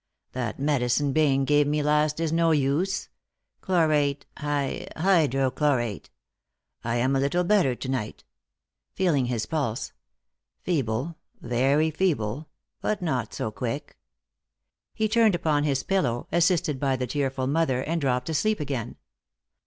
That medicine Bayne gave me last is no use. Chlorate — hy — hydrochlorate. I am a little better to night "— feeling his pulse —" feeble, very feeble, but not so quick." He turned upon his pillow, assisted by the tearful mother, and dropped asleep again.